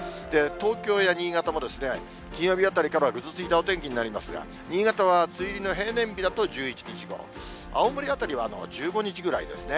東京や新潟も、金曜日あたりからはぐずついたお天気になりますが、新潟は梅雨入りの平年日だと１１日ごろ、青森辺りは１５日ぐらいですね。